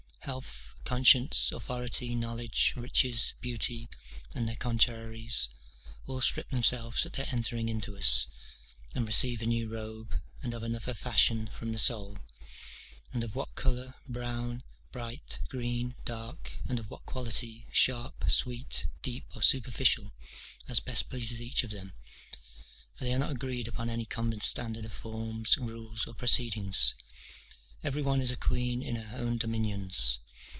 Health, conscience, authority, knowledge, riches, beauty, and their contraries, all strip themselves at their entering into us, and receive a new robe, and of another fashion, from the soul; and of what colour, brown, bright, green, dark, and of what quality, sharp, sweet, deep, or superficial, as best pleases each of them, for they are not agreed upon any common standard of forms, rules, or proceedings; every one is a queen in her own dominions.